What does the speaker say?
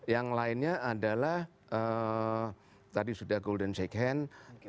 yang lainnya adalah tadi sudah golden shake hand